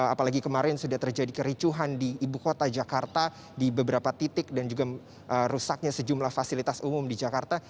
apalagi kemarin sudah terjadi kericuhan di ibu kota jakarta di beberapa titik dan juga rusaknya sejumlah fasilitas umum di jakarta